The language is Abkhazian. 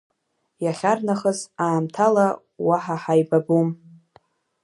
Иахьарнахыс, аамҭала, уаҳа ҳаибабом.